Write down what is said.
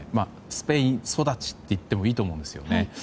スペイン育ちといってもいいと思うんですよね。